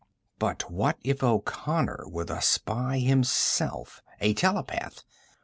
But what if O'Connor were the spy himself a telepath?